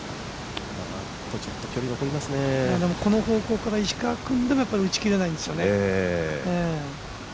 この方向から石川君でも打ち切れないんですよね。